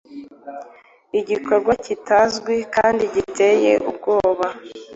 Igikorwa kitazwi kandi giteye ubwoba,